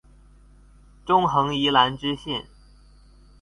中橫宜蘭支線